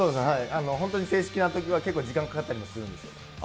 本当に正式なときは結構、時間かかったりするんですよ。